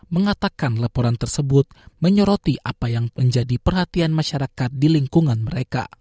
mengatakan laporan tersebut menyoroti apa yang menjadi perhatian masyarakat di lingkungan mereka